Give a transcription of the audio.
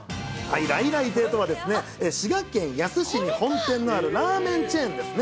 来来亭とはですね、滋賀県野洲市に本店のあるラーメンチェーンですね。